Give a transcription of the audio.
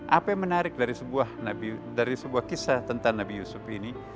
apa yang menarik dari sebuah kisah tentang nabi yusuf ini